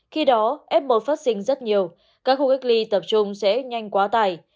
khi đó f một phát sinh rất nhiều các khu cách ly tập trung sẽ nhanh quá tải